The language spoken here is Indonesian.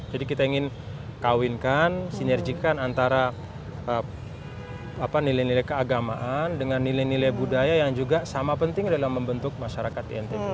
jadi kita ingin kawinkan sinerjikan antara nilai nilai keagamaan dengan nilai nilai budaya yang juga sama penting dalam membentuk masyarakat di ntb